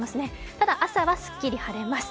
ただ、朝はすっきり晴れます。